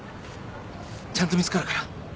ちゃんと見つかるから。